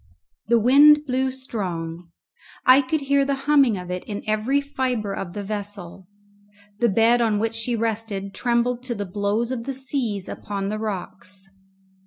The wind blew strong. I could hear the humming of it in every fibre of the vessel. The bed on which she rested trembled to the blows of the seas upon the rocks.